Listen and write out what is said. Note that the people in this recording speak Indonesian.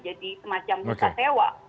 jadi semacam pusat hewa